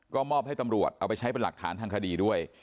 ก็มอบให้ตำรวจเอาไปใช้เป็นหลักฐานทางคดีด้วย